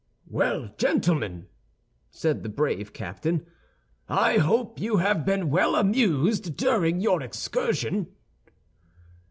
"Well, gentlemen," said the brave captain, "I hope you have been well amused during your excursion."